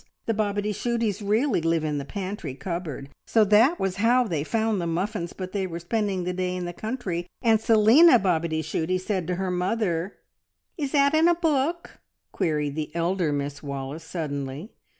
The Bobityshooties really live in the pantry cupboard, so that was how they found the muffins, but they were spending the day in the country, and Selina Bobityshooty said to her mother " "Is that in a book?" queried the elder Miss Wallace suddenly.